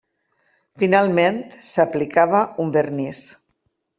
Finalment s'aplicava un vernís.